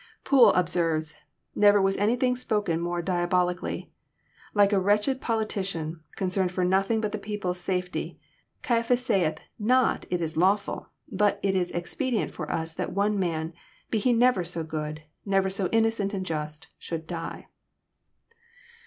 Poole observes :'* Never was anything spoken more diaboli cally. Like a wretched politician, concerned for nothing but the people's safety, Caiaphas saith not it is lawftil, but it is expedi ent for us that one Man, be He never so good, never so innocent and just, should die."